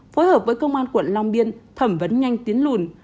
phối hợp với công an quận long biên thẩm vấn nhanh tiến lùn